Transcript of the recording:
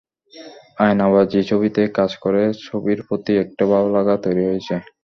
আয়নাবাজি ছবিতে কাজ করে ছবির প্রতিই একটা ভালো লাগা তৈরি হয়েছে।